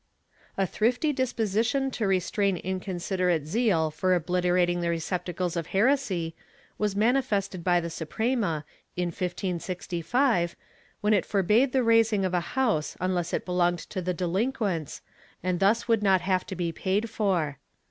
^ A thrifty disposition to restrain inconsiderate zeal for obliter ating the receptacles of heresy was manifested by the Suprema, in 1565, when it forbade the razing of a house unless it belonged to the delinquents and thus would not have to be paid for.